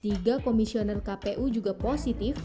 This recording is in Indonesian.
tiga komisioner kpu juga positif